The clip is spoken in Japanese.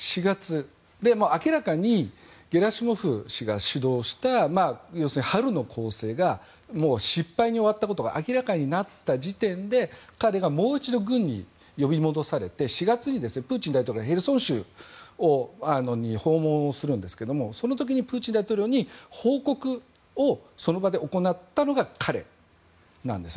明らかにゲラシモフ氏が主導した春の攻勢が失敗に終わったことが明らかになった時点で彼がもう一度軍に呼び戻されて４月にプーチン大統領はヘルソン州に訪問するんですけどその時にプーチン大統領に報告をその場で行ったのが彼なんです。